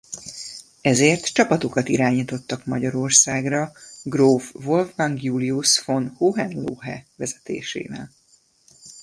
Ezért csapatokat irányítottak Magyarországra gróf Wolfgang Julius von Hohenlohe vezetésével.